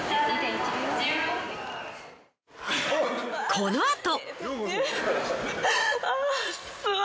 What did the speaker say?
このあと。